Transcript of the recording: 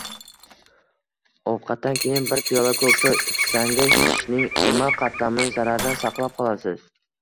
Ovqatdan keyin bir piyola ko‘k choy ichsangiz, tishning emal qatlamini zarardan saqlab qolasiz.